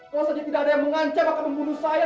kalau saja tidak ada yang mengancam atau membunuh saya